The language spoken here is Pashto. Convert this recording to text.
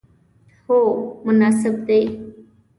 هو، مناسب دی